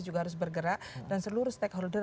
juga harus bergerak dan seluruh stakeholder